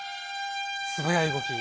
素早い動き。